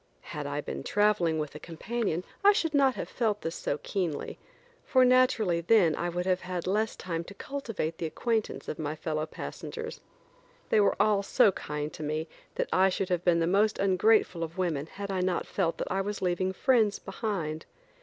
Had I been traveling with a companion I should not have felt this so keenly, for naturally then I would have had less time to cultivate the acquaintance of my fellow passengers. They were all so kind to me that I should have been the most ungrateful of women had I not felt that I was leaving friends behind.